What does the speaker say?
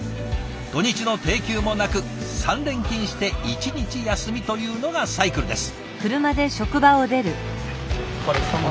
土日の定休もなく３連勤して１日休みというのがサイクルです。